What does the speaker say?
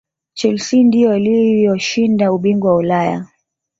chelsea ndiyo waliyoshinda ubingwa wa ulaya